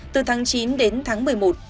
từ tháng chín đến tháng một mươi một